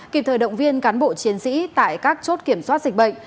kịp thời động viên cán bộ chiến sĩ tại các chốt kiểm soát dịch bệnh